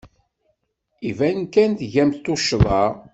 Iban kan tgamt tuccḍa.